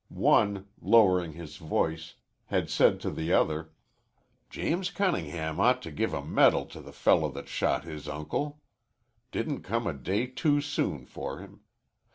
One, lowering his voice, had said to the other: "James Cunningham ought to give a medal to the fellow that shot his uncle. Didn't come a day too soon for him.